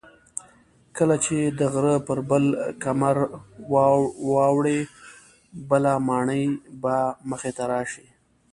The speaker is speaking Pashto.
کله چې د غره پر بل کمر واوړې بله ماڼۍ به مخې ته راشي.